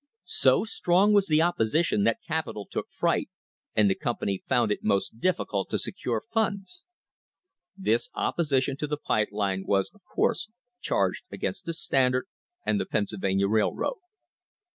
So strong was the opposition that capital took fright and the company found it most difficult to secure funds. This opposition to the pipe line was, of course, charged against the Standard and the Pennsylvania Railroad.